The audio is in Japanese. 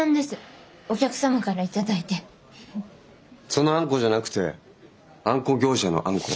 そのあんこじゃなくてあんこ業者のあんこ。